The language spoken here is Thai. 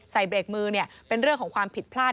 ใส่เบรกมือเนี่ยเป็นเรื่องของความผิดพลาด